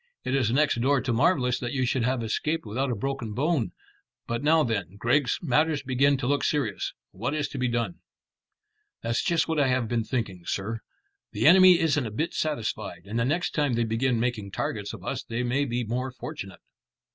"It is next door to marvellous that you should have escaped without a broken bone. But now then, Griggs, matters begin to look serious. What is to be done?" "That's just what I have been thinking, sir. The enemy isn't a bit satisfied, and the next time they begin making targets of us they may be more fortunate."